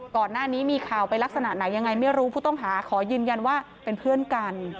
ก่อนหน้านี้มีข่าวไปลักษณะไหนยังไงไม่รู้ผู้ต้องหาขอยืนยันว่าเป็นเพื่อนกัน